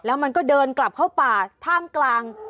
แล้วมันก็เดินกลับเข้าป่าท่ามกลาง